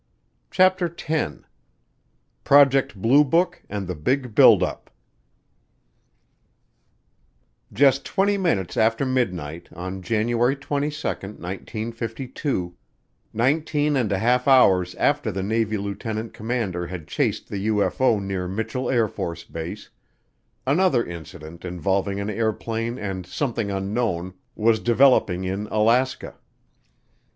CHAPTER TEN Project Blue Book and the Big Build Up Just twenty minutes after midnight on January 22, 1952, nineteen and a half hours after the Navy lieutenant commander had chased the UFO near Mitchel AFB, another incident involving an airplane and something unknown was developing in Alaska.